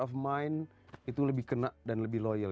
retensi orang yang nonton podcast ini juga lebih kena dan lebih loyal